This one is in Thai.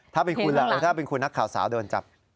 ถ้าเป็นคุณล่ะถ้าเป็นคุณนักข่าวสาวโดนจับ